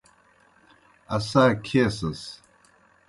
اسا کھیسَس۔